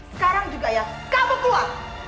sekarang juga ya kapal keluar